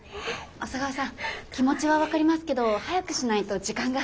小佐川さん気持ちは分かりますけど早くしないと時間が。